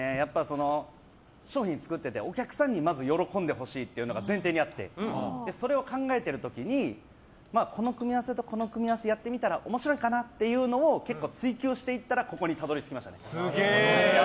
商品を作っていてお客さんに喜んでほしいのが前提にあってそれを考えている時にこの組み合わせやってみたら面白いかなというのを追求していったらここにたどり着きました。